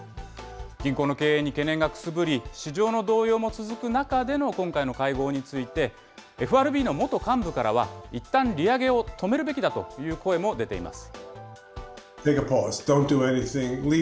銀行の経営に懸念がくすぶり、市場の動揺も続く中での今回の会合について、ＦＲＢの元幹部からは、いったん利上げを止めるべきだという声も出ています。